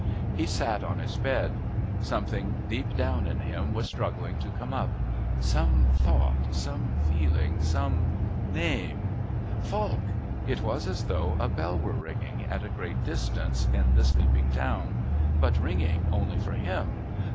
He sat on his bed. Something deep down in him was struggling to come up. Some thought...some feeling...some name. Falk! It was as though a bell were ringing, at a great distance, in the sleeping town but ringing only for him.